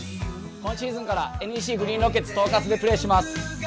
今シーズンからＮＥＣグリーンロケッツ東葛でプレーします。